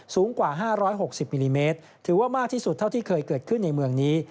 สูงกว่า๕๖๐มิลลิเมตรถือว่ามากที่สุดเท่าที่เคยเกิดขึ้นในเมืองนี้